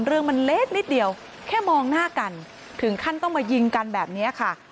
เรื่องมันเล็กนิดเดียวแค่มองหน้ากันถึงขั้นต้องมายิงกันแบบนี้ค่ะ